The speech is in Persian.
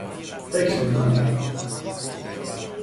فکر می کنه